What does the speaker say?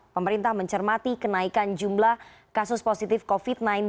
pemerintah mencermati kenaikan jumlah kasus positif covid sembilan belas